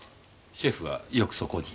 シェフはよくそこに？